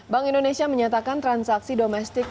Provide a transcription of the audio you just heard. bank indonesia menyatakan transaksi domestik